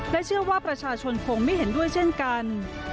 และเชื่อว่าประชาชนคงไม่เห็นด้วยเช่นกัน